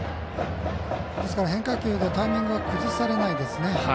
ですから変化球でタイミングは崩されないですね。